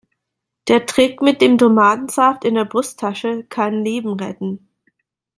Der Trick mit dem Tomatensaft in der Brusttasche kann Leben retten.